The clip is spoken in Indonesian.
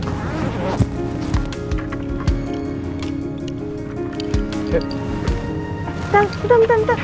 bentar bentar bentar